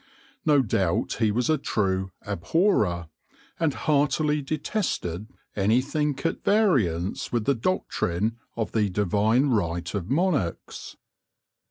No doubt he was a true " Abhorrer, 14 and heartily detested anything at variance with the doctrine of the divine right of monarchs.